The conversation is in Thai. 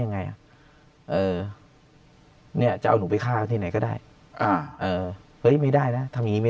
ยังไงเออเนี่ยจะเอาหนูไปฆ่าที่ไหนก็ได้ไม่ได้นะทำงี้ไม่